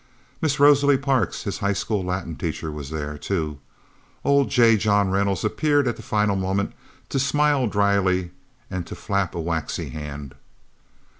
Miss Rosalie Parks, his high school Latin teacher, was there, too. Old J. John Reynolds appeared at the final moment to smile dryly and to flap a waxy hand.